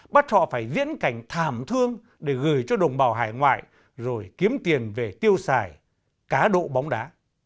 bắt họ phải diễn cảnh thảm thương để gửi cho đồng bào hải ngoại rồi kiếm tiền về tiêu xài cá độ bóng đá